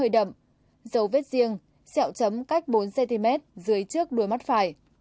dấu vết riêng xẹo chấm cách bốn cm dưới trước đôi mắt phải